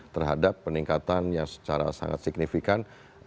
terhadap peningkatan yang secara sangat signifikan